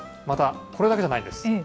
またこれだけじゃないんです。